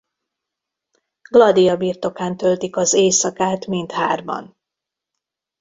Gladia birtokán töltik az éjszakát mindhárman.